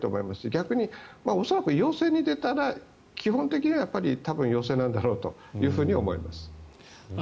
逆に恐らく陽性が出たら基本的には多分陽性なんだろうと思います。